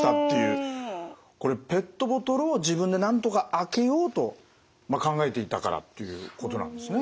これペットボトルを自分でなんとか開けようと考えていたからっていうことなんですね。